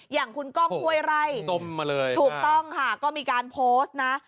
อย่างคุณก้องห้วยไร่ถูกต้องค่ะก็มีการโพสต์นะ